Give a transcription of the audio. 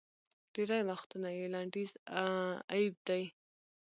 ډېری وختونه یې لنډیز اېب دی